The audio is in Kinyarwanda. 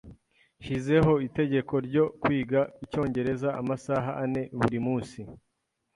Nshizeho itegeko ryo kwiga icyongereza amasaha ane buri munsi.